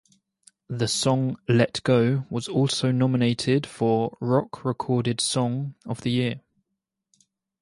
The song "Let Go" was also nominated for Rock Recorded Song of the Year.